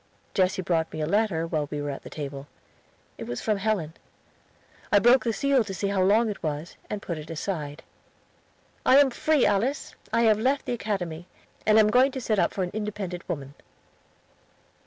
Jesse brought me a letter while we were at the table. It was from Helen. I broke its seal to see how long it was, and put it aside. "I am free, Alice. I have left the Academy, and am going to set up for an independent woman."